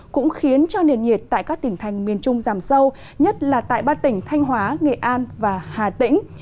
cũng khiến cho nền nhiệt tại các tỉnh thành miền trung giảm sâu nhất là tại ba tỉnh thanh hóa nghệ an và hà tĩnh